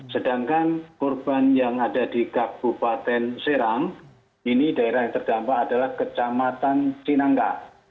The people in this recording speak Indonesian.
sedangkan korban yang ada di kabupaten serang ini daerah yang terdampak adalah kecamatan cinangka